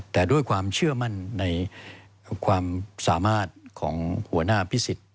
แต่ด้วยความเชื่อมั่นในความสามารถของหัวหน้าพิสิทธิ